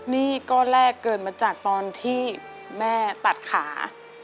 นี่ก็แรกเกิดมาจากตอนที่แม่ตัดขา